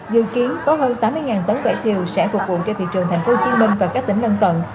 dự kiến có hơn tám mươi tấn vải thiều sẽ phục vụ cho thị trường tp hcm và các tỉnh lân cận